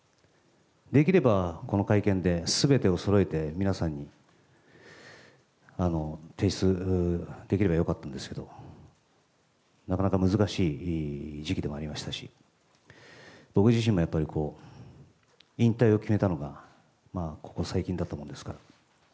できればこの会見ですべてをそろえて皆さんに提出できればよかったんですけど、なかなか難しい時期でもありましたし、僕自身もやっぱり、引退を決めたのがここ最近だったものですから。